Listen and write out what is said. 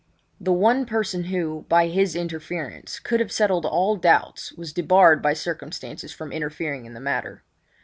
The one person who, by his interference, could have settled all doubts was debarred by circumstances from interfering in the matter.